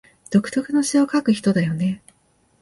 独特の詩を書く人だよね